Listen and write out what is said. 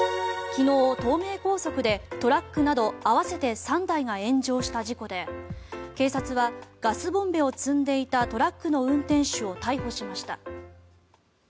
昨日、東名高速でトラックなど合わせて３台が炎上した事故で警察は、ガスボンベを積んでいたトラックの運転手を逮捕しました。